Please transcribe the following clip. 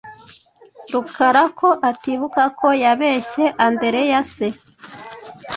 Rukara ko atibuka ko yabeshye Andereyse.